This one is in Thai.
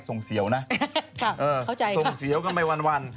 ส่งเสียวนะส่งเสียวกันไปวัน